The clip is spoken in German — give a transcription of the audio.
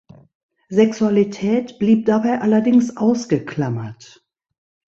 Sexualität blieb dabei allerdings ausgeklammert.